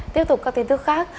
tiếp tục các tin tức khác